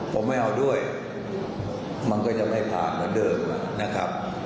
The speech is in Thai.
ผมไม่เอาด้วยมันก็จะไม่ผ่านเหมือนเดิมนะครับ